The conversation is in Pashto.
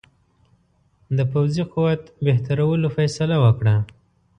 د پوځي قوت بهترولو فیصله وکړه.